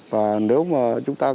và nếu mà chúng ta